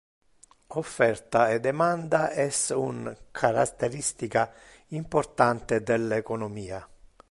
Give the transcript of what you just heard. Offerta e demanda es un characteristica importante del economia.